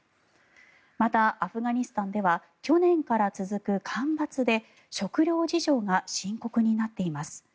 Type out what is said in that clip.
また、アフガニスタンでは去年から続く干ばつで食糧事情が深刻になっています。